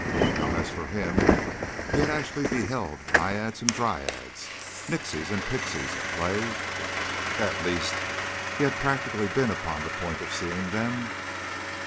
Now as for him, he had actually beheld naiads and dryads, nixies and pixies, at play at least he had practically been upon the point of seeing them.